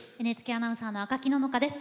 ＮＨＫアナウンサーの赤木野々花です。